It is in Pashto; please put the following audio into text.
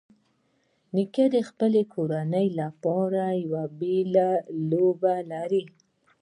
نیکه د خپلې کورنۍ لپاره یو بېلې لوبه لري.